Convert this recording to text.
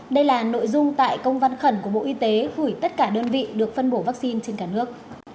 đây là nội dung tại công văn khẩn của bộ y tế gửi tất cả đơn vị được phân bổ vaccine trên cả nước